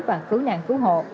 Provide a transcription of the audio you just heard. và cứu nạn cứu hộ